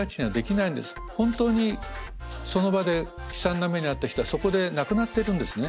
本当にその場で悲惨な目に遭った人はそこで亡くなっているんですね。